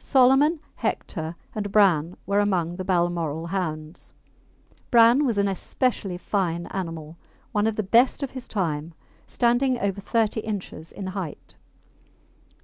Solomon, Hector, and Bran were among the Balmoral hounds. Bran was an especially fine animal one of the best of his time, standing over thirty inches in height.